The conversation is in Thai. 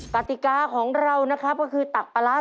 กติกาของเรานะครับก็คือตักปลาร้า